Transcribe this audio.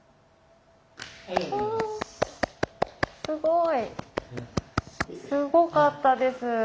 すごいすごかったです。